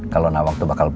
kalau nawang tuh bakal jatuh